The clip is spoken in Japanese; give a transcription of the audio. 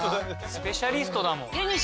スペシャリストだもん。